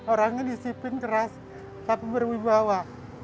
orangnya disiplin keras tapi berwibawa